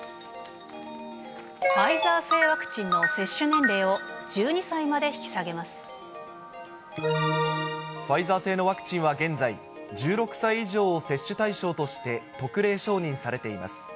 ファイザー製ワクチンの接種ファイザー製のワクチンは現在、１６歳以上を接種対象として、特例承認されています。